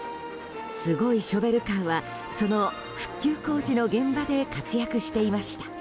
すごいショベルカーはその復旧工事の現場で活躍していました。